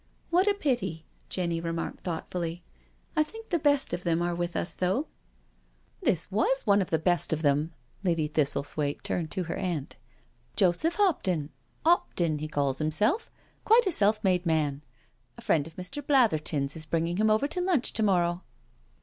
"What a pity," Jenny remarked thoughtfully: "I think the best of them are with us though." i66 VO SURRENDER " This was one of the best of them "— Lady Thistle thwaite turned to her aunt —" Joseph Hopton— * 'Opton/ he calls himself — quite a self made man. A friend of Mr. Blatherton's is bringing him over to lunch to morrow."